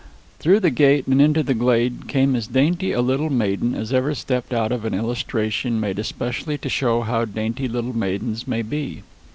Through the gate and into the glade came as dainty a little maiden as ever stepped out of an illustration made especially to show how dainty little maidens may be.